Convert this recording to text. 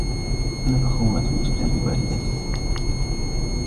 أنا فخورة جدا بوالدي.